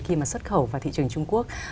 khi mà xuất khẩu vào thị trường trung quốc